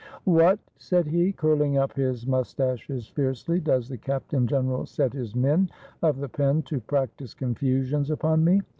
"What!" said he, curling up his mustaches fiercely, ''does the captain general set his men of the pen to practice confusions upon me?